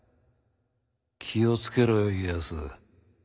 気を付けろよ家康。